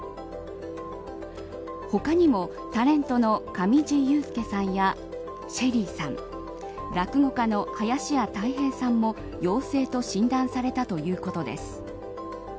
他にもタレントの上地雄輔さんやＳＨＥＬＬＹさん落語家の林家たい平さんも陽性と診断されたということです。